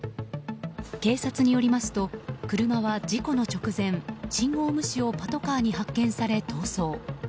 警察によりますと車は事故の直前信号無視をパトカーに発見され逃走。